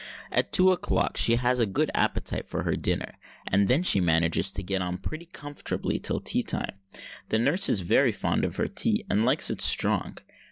At two o'clock she has a good appetite for her dinner; and then she manages to get on pretty comfortably till tea time. The nurse is very fond of her tea, and likes it strong.